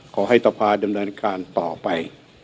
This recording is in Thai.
ขอให้ต่อพาเลื่อนการต่อไป